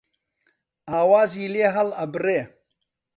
ئاوازی لێ هەڵ ئەبڕێ